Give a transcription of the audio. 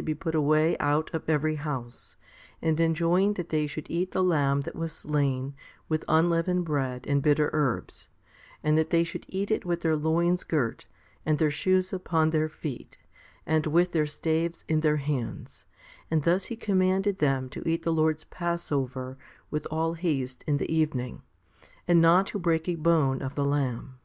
Moreover He commanded leaven to be put away out of every house, and enjoined that they should eat the lamb that was slain with unleavened bread and bitter herbs, and that they should eat it with their loins girt, and their shoes upon their feet, and with their staves in their hands ; and thus He commanded them to eat the Lord's passover with all haste in the evening, and not to break a bone of the lamb.